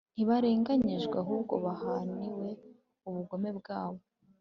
Ntibarenganyijwe, ahubwo bahaniwe ubugome bwabo,